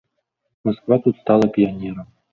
Масква тут стала піянерам.